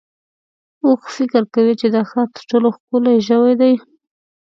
اوښ فکر کوي چې د ښار تر ټولو ښکلی ژوی دی.